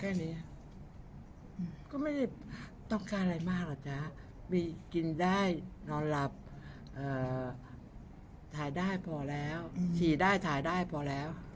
แค่นี้ก็ไม่ได้ต้องการอะไรมากหรอกจ๊ะมีกินได้นอนหลับถ่ายได้พอแล้วฉี่ได้ถ่ายได้พอแล้ว